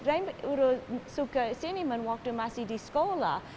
jika mereka suka siniman waktu masih di sekolah